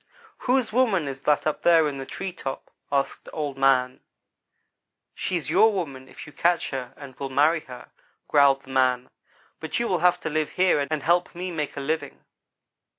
"'Whose woman is that up there in the tree top?' asked Old man. "'She's your woman if you can catch her and will marry her,' growled the man; 'but you will have to live here and help me make a living.'